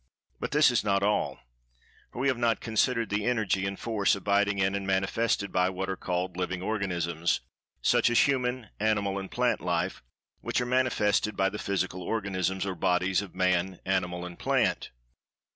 But this is not all—for we have not considered the Energy and Force abiding in, and manifested by, what are called "Living Organisms," such as human, animal and plant life, which are manifested by the physical organisms or "bodies" of man, animal and plant.